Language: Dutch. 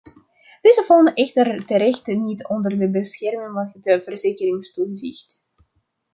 Deze vallen echter terecht niet onder de bescherming van het verzekeringstoezicht.